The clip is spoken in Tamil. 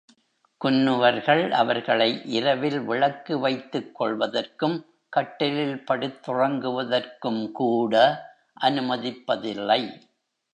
குன்னுவர்கள் அவர்களை இரவில் விளக்கு வைத்துக் கொள்வதற்கும், கட்டிலில் படுத்துறங்குவதற்கும்கூட அனுமதிப்பதில்லை.